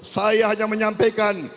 saya hanya menyampaikan